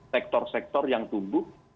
sektor sektor yang tumbuh